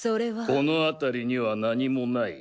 このあたりには何もない。